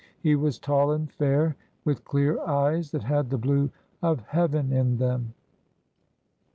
He was tall and fair, with clear eyes that had the blue of heaven in them."